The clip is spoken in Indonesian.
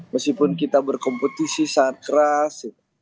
meskipun kita berkompetisi sangat keras